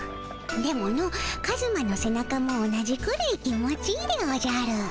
でものカズマの背中も同じくらい気持ちいいでおじゃる。